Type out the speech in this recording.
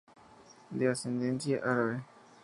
De ascendencia árabe.